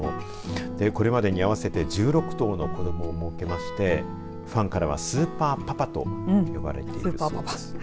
これまでに合わせて１６頭の子どもをもうけましてファンからはスーパーパパと呼ばれています。